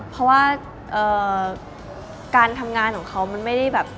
เพราะว่าการทำงานของเขามันไม่ได้แบบ